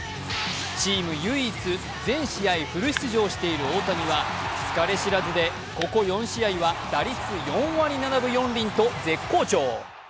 チーム唯一、全試合フル出場している大谷は疲れ知らずでここ４試合は打率４割７分１厘と絶好調。